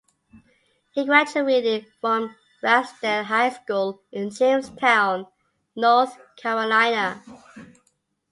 He graduated from Ragsdale High School in Jamestown, North Carolina.